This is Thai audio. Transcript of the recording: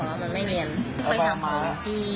ไปทำโปรจิ